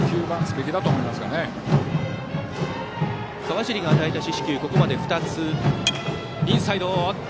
川尻が与えた四死球はここまで２つ。